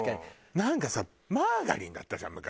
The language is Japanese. なんかさマーガリンだったじゃん昔。